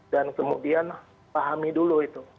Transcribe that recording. dan kemudian pahami dulu itu